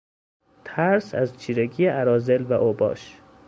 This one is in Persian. ترس از چیرگی اراذل و اوباش